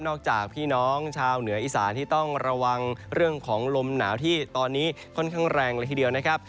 จากพี่น้องชาวเหนืออีสานที่ต้องระวังเรื่องของลมหนาวที่ตอนนี้ค่อนข้างแรงเลยทีเดียวนะครับ